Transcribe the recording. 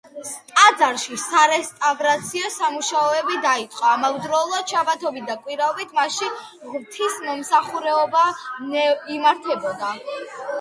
ტაძარში სარესტავრაციო სამუშაოები დაიწყო, ამავდროულად შაბათობით და კვირაობით მასში ღვთისმსახურება იმართებოდა.